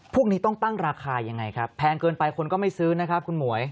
พวกนี้ต้องตั้งราคายังไงครับแพงเกินไปคนก็ไม่ซื้อนะครับคุณหมวย